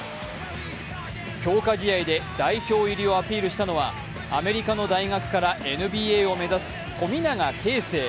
強化試合で代表入りをアピールしたのはアメリカの大学からＮＢＡを目指す富永啓生。